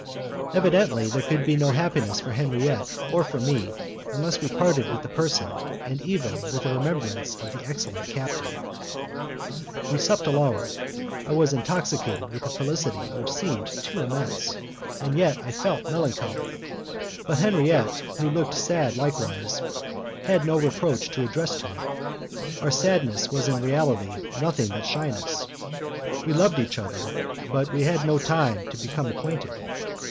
Evidently there could be no happiness for Henriette or for me unless we parted with the person and even with the remembrance of the excellent captain. We supped alone. I was intoxicated with a felicity which seemed too immense, and yet I felt melancholy, but Henriette, who looked sad likewise, had no reproach to address to me. Our sadness was in reality nothing but shyness; we loved each other, but we had had no time to become acquainted.